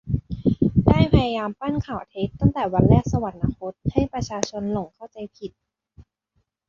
ได้พยายามปั้นข่าวเท็จตั้งแต่วันแรกสวรรคต ให้ประชาชนหลงเข้าใจผิด